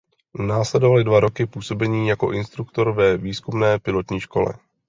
Následovaly dva roky působení jako instruktor ve výzkumné pilotní škole.